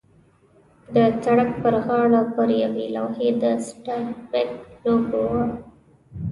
د سړک پر غاړه پر یوې لوحې د سټاربکس لوګو وه.